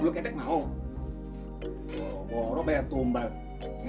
ya kok mau pasang